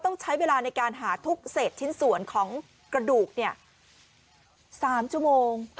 ต้องใช้เวลาในการหาทุกเศษชิ้นส่วนของกระดูก๓ชั่วโมง